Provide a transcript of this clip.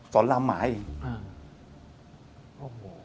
สอนรามหมาอีก